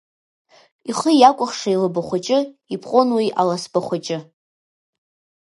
Ихы иакәыхша илаба хәыҷы, ипҟон уи аласба хәыҷы.